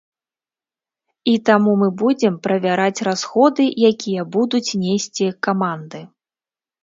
І таму мы будзем правяраць расходы, якія будуць несці каманды.